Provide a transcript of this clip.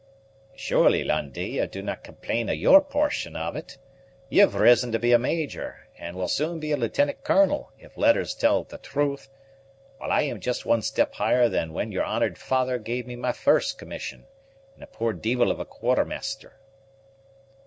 "Surely, Lundie, ye do not complain of yer portion of it. You've risen to be a major, and will soon be a lieutenant colonel, if letters tell the truth; while I am just one step higher than when your honored father gave me my first commission, and a poor deevil of a quartermaster."